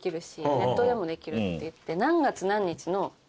ネットでもできるっていって。